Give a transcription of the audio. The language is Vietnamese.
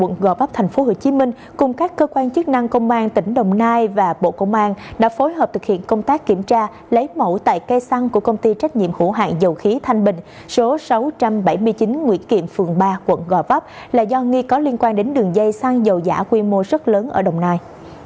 quận gò vấp tp hcm cùng các cơ quan chức năng công an tỉnh đồng nai và bộ công an đã phối hợp thực hiện công tác kiểm tra lấy mẫu tại cây xăng của công ty trách nhiệm hữu hạng dầu khí thanh bình số sáu trăm bảy mươi chín nguyễn kiệm phường ba quận gò vấp là do nghi có liên quan đến đường dây xăng dầu giả quy mô rất lớn ở đồng nai